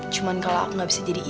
cuman kalau aku gak bisa jadi istri